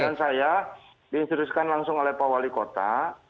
dan saya diinspiriskan langsung oleh pak wali kota